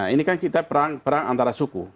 ini kan kita perang antara suku